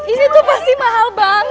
ini tuh pasti mahal banget